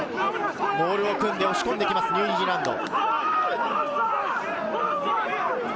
モールを組んで押し込んできます、ニュージーランド。